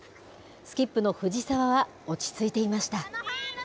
スキップの藤澤は落ち着いていました。